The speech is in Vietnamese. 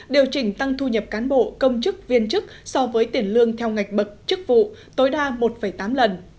điều chỉnh tăng thu nhập cán bộ công chức viên chức so với tiền lương theo ngạch bậc chức vụ tối đa một tám lần